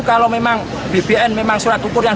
kalau memang itu benar silahkan